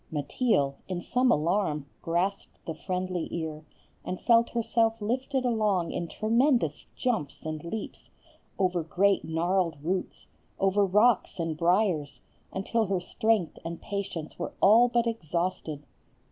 Mateel, in some alarm, grasped the friendly ear, and felt herself lifted along in tremendous jumps and leaps, over great gnarled roots, over rocks and briers, until her strength and patience were all but exhausted.